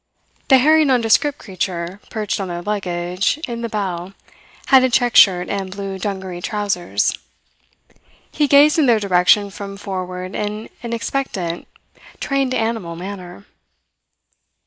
The hairy nondescript creature perched on their luggage in the bow had a check shirt and blue dungaree trousers. He gazed in their direction from forward in an expectant, trained animal manner.